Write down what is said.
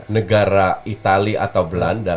negara itali atau belanda